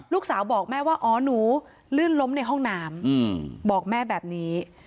ลูกสาวบอกแม่ว่าอ๋อหนูลื่นล้มในห้องน้ำบอกแม่แบบนี้